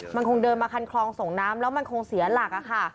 มันคงเดินมาคันคลองส่งน้ำแล้วมันคงเสียหลักค่ะ